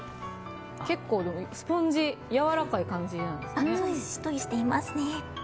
結構スポンジやわらかい感じなんですね。